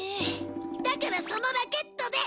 だからそのラケットで。